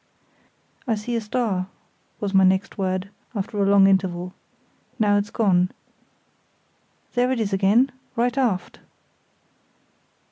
"I see a star," was my next word, after a long interval. "Now it's gone. There it is again! Right aft!"